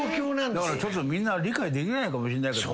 だからみんな理解できないかもしんないけど。